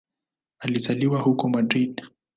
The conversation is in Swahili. Alizaliwa huko Madrid.